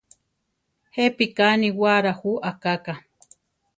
¿Jepíka níwara jú akáka?